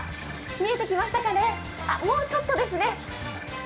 見えてきましたかね、もうちょっとですね。